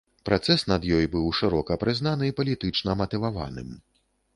Працэс над ёй быў шырока прызнаны палітычна матываваным.